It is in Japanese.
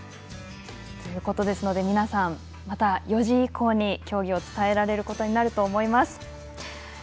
ということですので皆さん、また４時以降に競技を伝えられることになると思います。